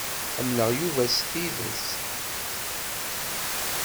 Ḥemmleɣ Yuba s tidet.